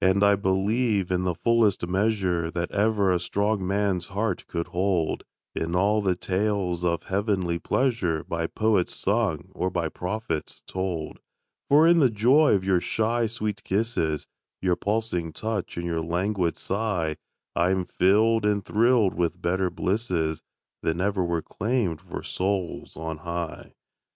And I believe, in the fullest measure That ever a strong man's heart could hold, In all the tales of heavenly pleasure By poets sung or by prophets told; For in the joy of your shy, sweet kisses, Your pulsing touch and your languid sigh I am filled and thrilled with better blisses Than ever were claimed for souls on high.